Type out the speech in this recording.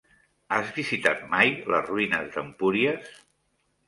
Has visitat mai les ruïnes d'Empúries?